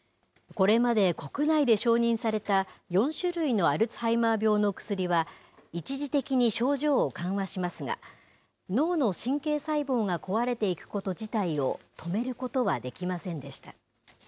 これまで国内で承認された４種類のアルツハイマー病の薬は、一時的に症状を緩和しますが、脳の神経細胞が壊れていくこと自体を止めることはできませんでした。